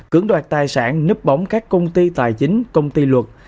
cứng đoạt tài sản nấp bóng các công ty tài chính công ty luật